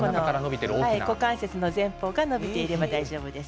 股関節の前方が伸びていると大丈夫です。